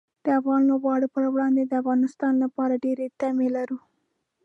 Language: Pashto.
د افغان لوبغاړو پر وړاندې د افغانستان لپاره ډېرې تمې لرو.